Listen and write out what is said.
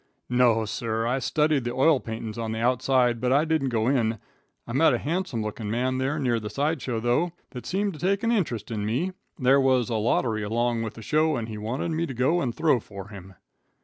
"No, sir. I studied the oil paintings on the outside, but I didn't go in, I met a handsome looking man there near the side show, though, that seemed to take an interest in me. There was a lottery along with the show and he wanted me to go and throw for him."